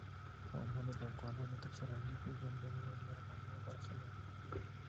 قومونه د افغانانو د فرهنګي پیژندنې یوه ډېره مهمه برخه ده.